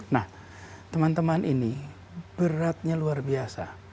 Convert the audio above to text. nah teman teman ini beratnya luar biasa